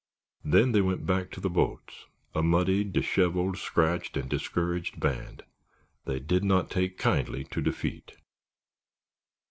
Then they went back to the boats, a muddy, dishevelled, scratched and discouraged band. They did not take kindly to defeat.